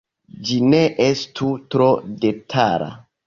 Ĝi ne estu tro detala.